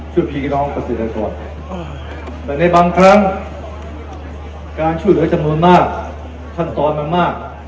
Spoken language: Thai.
ช่วยพี่น้องประสิทธิ์กรแต่ในบางครั้งการช่วยเหลือจำนวนมากทันซ้อนมากมาก